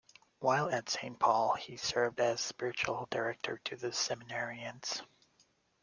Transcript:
While at Saint Paul, he served as spiritual director to the seminarians.